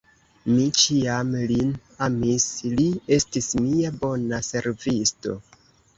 Mi ĉiam lin amis, li estis mia bona servisto.